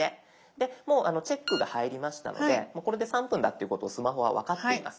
でもうチェックが入りましたのでもうこれで３分だっていうことをスマホは分かっています。